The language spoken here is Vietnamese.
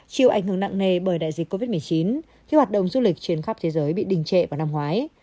chịu ảnh hưởng nặng nề bởi đại dịch covid một mươi chín khi hoạt động du lịch trên khắp thế giới bị đình trệ vào năm ngoái